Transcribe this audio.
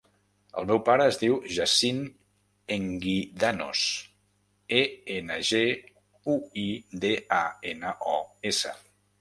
El meu pare es diu Yassine Enguidanos: e, ena, ge, u, i, de, a, ena, o, essa.